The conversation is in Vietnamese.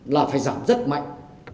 là phải giảm rất mạnh